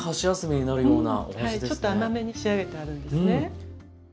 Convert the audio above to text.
ちょっと甘めに仕上げてあるんですね。